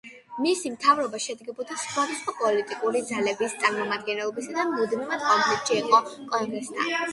მისი მთავრობა შედგებოდა სხვადასხვა პოლიტიკური ძალების წარმომადგენლებისაგან და მუდმივ კონფლიქტში იყო კონგრესთან.